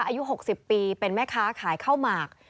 อายุ๖๐ปีเป็นแม่ค้าขายข้าวหมาก